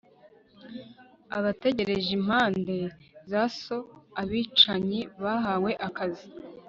abategereje impande zoseabicanyi bahawe akazi